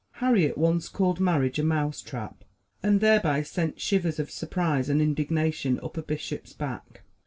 Harriet once called marriage a mouse trap, and thereby sent shivers of surprise and indignation up a bishop's back.